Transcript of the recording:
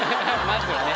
まずはね！